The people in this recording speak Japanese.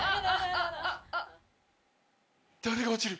誰が落ちる？